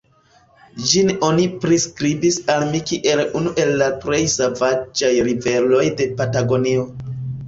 Ĝin oni priskribis al mi kiel unu el la plej sovaĝaj riveroj de Patagonio.